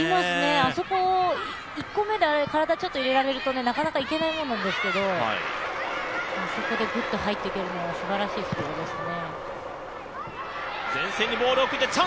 あそこ、１個目で体を入れられるとなかなかいけないもんなんですけど、そこでぐっと入っていけるのすばらしいプレーでしたね。